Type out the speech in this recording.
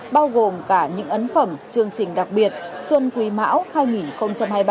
bao gồm cả những ấn phẩm chương trình đặc biệt xuân quý mão hai nghìn hai mươi ba